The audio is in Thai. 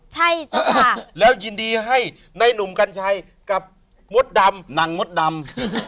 ใช่จ้ะแล้วยินดีให้ในหนุ่มกัญชัยกับมดดำนางมดดำ